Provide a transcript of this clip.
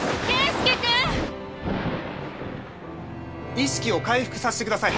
意識を回復さしてください！